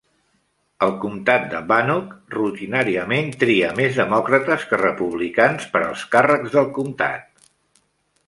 El comtat de Bannock rutinàriament tria més demòcrates que republicans per als càrrecs del comtat.